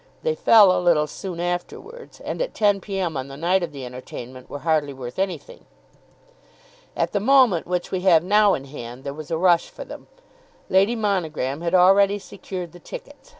They fell a little soon afterwards, and at ten P.M. on the night of the entertainment were hardly worth anything. At the moment which we have now in hand, there was a rush for them. Lady Monogram had already secured the tickets.